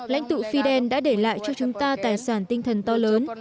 lãnh tụ fidel đã để lại cho chúng ta tài sản tinh thần to lớn